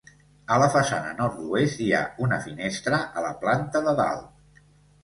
A la façana nord-oest, hi ha una finestra a la planta de dalt.